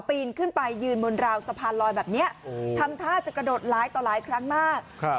ปีนขึ้นไปยืนบนราวสะพานลอยแบบนี้ทำท่าจะกระโดดหลายต่อหลายครั้งมาก